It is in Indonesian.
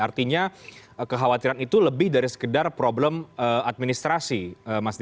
artinya kekhawatiran itu lebih dari sekedar problem administrasi mas dedy